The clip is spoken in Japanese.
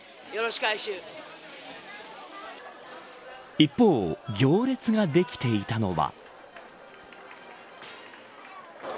一方、行列ができていたのは。